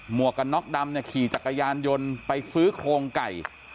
วกกันน็อกดำเนี่ยขี่จักรยานยนต์ไปซื้อโครงไก่